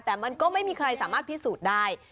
แต่มันก็ไม่มีใครสามารถพิสูจน์ได้